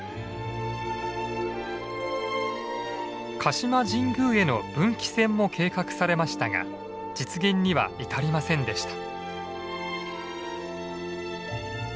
鹿島神宮への分岐線も計画されましたが実現には至りませんでした。